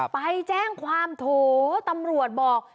ไปแจ้งความโถตำรวจบอก